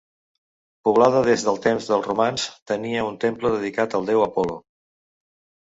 Poblada des dels temps dels romans, tenia un temple dedicat al déu Apol·lo.